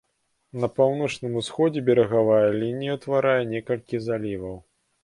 На паўночным усходзе берагавая лінія ўтварае некалькі заліваў.